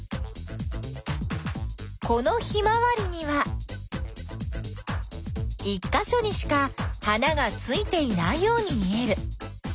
このヒマワリには１かしょにしか花がついていないように見える。